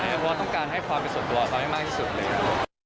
เพราะว่าต้องการให้ความเป็นส่วนตัวเขาให้มากที่สุดเลยครับ